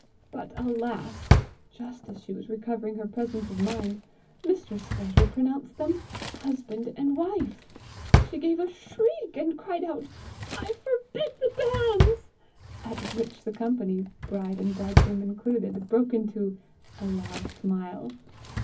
But, alas! just as she was recovering her presence of mind, Mr. Sclater pronounced them husband and wife! She gave a shriek, and cried out, "I forbid the banns," at which the company, bride and bridegroom included, broke into "a loud smile."